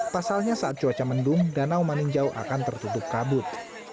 pasalnya saat cuaca mendung danau meninjau akan tertutup kabut